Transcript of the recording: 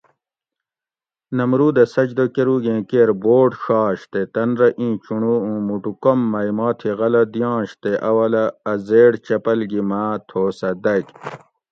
نمرودہ سجدہ کرۤوگیں کیر بورڈ ڛاش تے تن رہ ایں چونڑو اُوں موٹو کوم مئ ما تھی غلہ دیاںش تے اولہ اَ زیڑ چپل گی ما تھوسہ دَگ